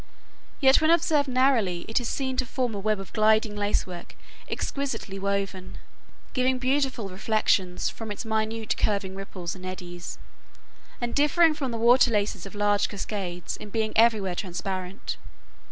Yet when observed narrowly it is seen to form a web of gliding lacework exquisitely woven, giving beautiful reflections from its minute curving ripples and eddies, and differing from the water laces of large cascades in being everywhere transparent.